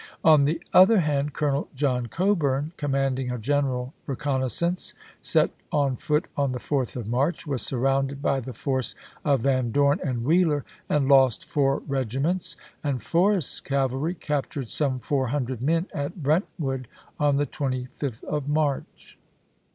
On the other hand. Colonel John Coburn, commanding a general reconnaissance set on foot on the 4th of March, was surrounded by the force of Van Dorn and Wheeler and lost four regi ments, and Forrest's cavalry captured some four hundred men at Brentwood on the 25th of March.